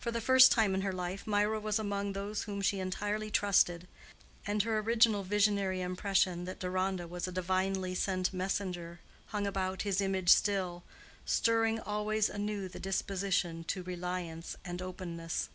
For the first time in her life Mirah was among those whom she entirely trusted, and her original visionary impression that Deronda was a divinely sent messenger hung about his image still, stirring always anew the disposition to reliance and openness.